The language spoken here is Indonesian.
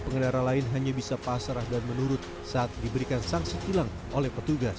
pengendara lain hanya bisa pasrah dan menurut saat diberikan sanksi tilang oleh petugas